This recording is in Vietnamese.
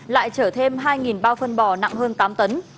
lại chở thêm hai bao phân bò nặng hơn tám tấn